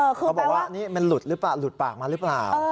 เขาบอกว่านี่มันหลุดหรือเปล่าหลุดปากมาหรือเปล่า